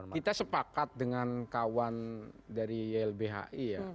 kita sepakat dengan kawan dari ylbhi ya